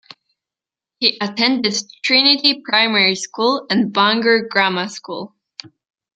He attended Trinity Primary School and Bangor Grammar School.